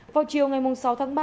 vào chiều ngày sáu tháng ba